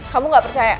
kamu gak percaya